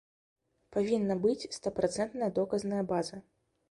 Павінна быць стапрацэнтная доказная база.